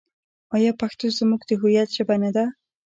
آیا پښتو زموږ د هویت ژبه نه ده؟